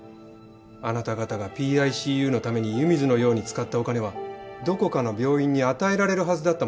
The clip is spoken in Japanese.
あなた方がＰＩＣＵのために湯水のように使ったお金はどこかの病院に与えられるはずだったものなんです。